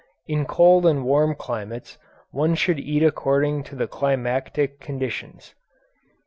In cold and warm climates one should eat according to the climatic conditions.